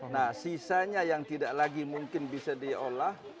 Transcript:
nah sisanya yang tidak lagi mungkin bisa diolah